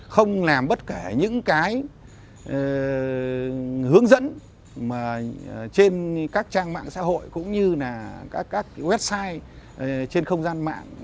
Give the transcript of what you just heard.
không làm bất kể những cái hướng dẫn trên các trang mạng xã hội cũng như là các website trên không gian mạng